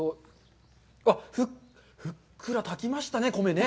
うわっ、ふっくら炊きましたね、米ね。